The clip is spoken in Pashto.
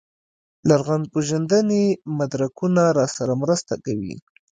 لرغونپېژندنې مدرکونه راسره مرسته کوي.